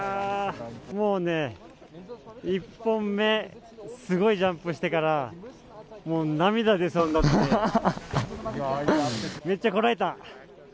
もう１本目すごいジャンプしてからもう涙でそうになってめっちゃこらえた。